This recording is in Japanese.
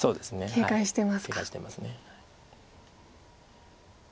警戒してます。